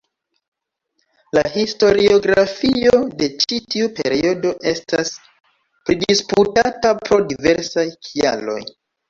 La historiografio de ĉi tiu periodo estas pridisputata pro diversaj kialoj.